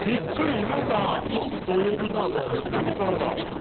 今さ、土曜日の、あの旅サラダ。